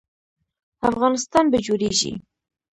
افغانستان به جوړیږي